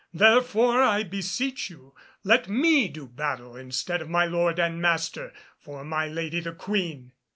Therefore I beseech you, let me do battle instead of my lord and master for my lady the Queen."